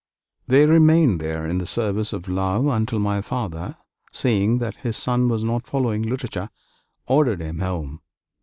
They remained there in the service of love, until my father, seeing that his son was not following literature, ordered him home.